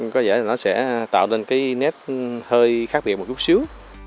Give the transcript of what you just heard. có vẻ là nó sẽ tạo nên cái nét hơi khác biệt một chút xíu